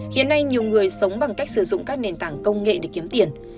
hiện nay nhiều người sống bằng cách sử dụng các nền tảng công nghệ để kiếm tiền